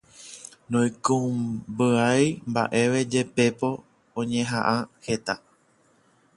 Noikũmbýi mbaʼeve jepémo oñehaʼã heta.